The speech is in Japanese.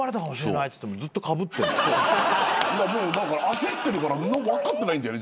焦ってるから分かってないんだよね